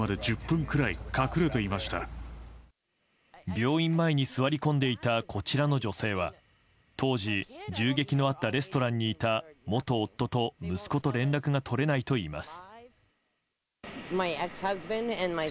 病院前に座り込んでいたこちらの女性は当時、銃撃のあったレストランにいた元夫と息子と連絡が取れないといいます。